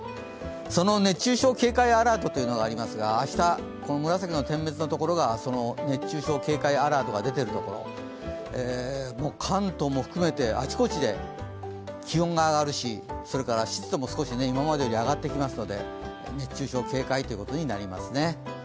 その熱中症警戒アラートというのがありますが明日、紫の点滅のところが熱中症警戒アラートが出てる所、関東も含めて、あちこちで気温が上がるし、それから湿度も少し今までより上がってきますので熱中症警戒ということになりますね。